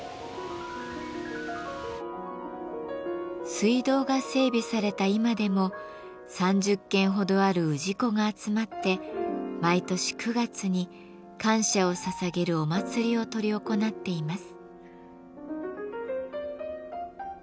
水道が整備された今でも３０軒ほどある氏子が集まって毎年９月に感謝をささげるお祭りを執り行っています。